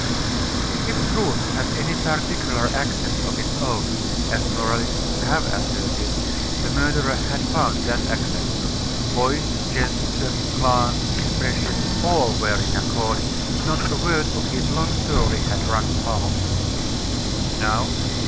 If truth has any particular accent of its own, as moralists have asserted, the murderer had found that accent. Voice, gesture, glance, expression, all were in accord; not a word of his long story had rung false. "Now," said M.